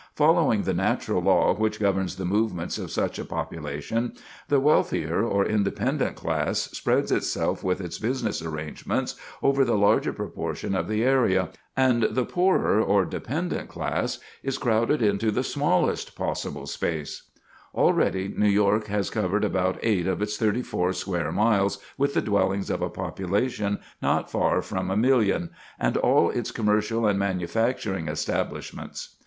Following the natural law which governs the movements of such a population, the wealthier or independent class spreads itself with its business arrangements over the larger proportion of the area, and the poorer or dependent class is crowded into the smallest possible space. [Sidenote: Tenant House Packing] Already New York has covered about 8 of its 34 square miles with the dwellings of a population not far from 1,000,000, and all its commercial and manufacturing establishments.